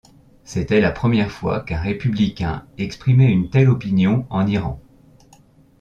C'était la première fois qu'un républicain exprimait une telle opinion en Iran.